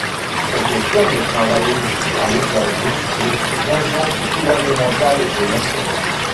Cette firme travaille aussi à l'occasion pour des agences gouvernementales et des nations.